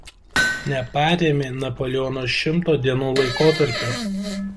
Neparėmė Napoleono Šimto dienų laikotarpiu.